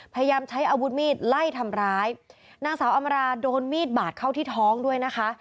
พยายามใช้อาวุธมีดไล่ทำร้ายนางสาวอำราโดนมีดบาดเข้าที่ท้องด้วยนะคะ